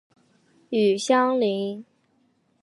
与相邻。